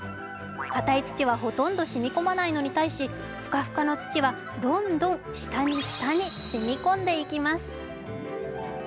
かたい土はほとんどしみこまないのに対しフカフカの土はどんどん下に下にしみこんでいきます。